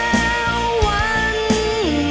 แล้วใจของเธอจะเปลี่ยนไป